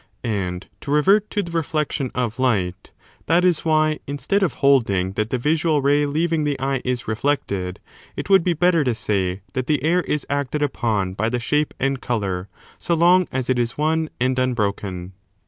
And, to revert to the reflection of light, that is why, instead of holding that the visual ray leaving the eye is reflected, it would be better to say that the air is acted upon by the shape and colour, so long as it is one and unbroken.